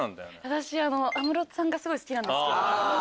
私安室さんが好きなんですけど。